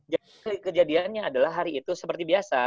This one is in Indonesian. jadi kejadiannya adalah hari itu seperti biasa